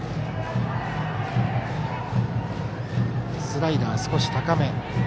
スライダー、少し高め。